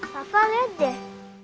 papa lihat deh